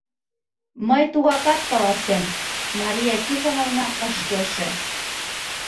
Мый тугакат каласем, — Мария Тихоновна ыш келше.